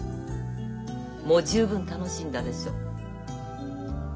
もう十分楽しんだでしょ。